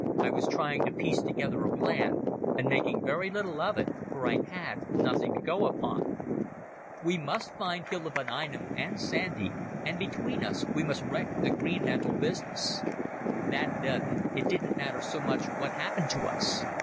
I was trying to piece together a plan, and making very little of it, for I had nothing to go upon. We must find Hilda von Einem and Sandy, and between us we must wreck the Greenmantle business. That done, it didn't matter so much what happened to us.